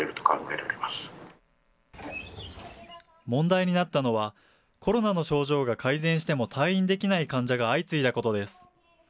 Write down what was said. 問題になったのは、コロナの症状が改善しても退院できない患者が相次いだことです。